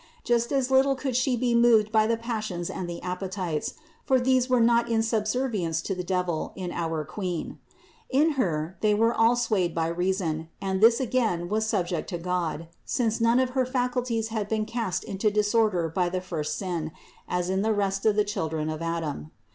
Just as little could She be moved by the passions and the appetites ; for these were not in subservience to the devil in our Queen. In Her they were all swayed by reason, and this again was subject to God, since none of her faculties had been cast into disorder by the first sin, as in the rest of the THE INCARNATION 273 children of Adam.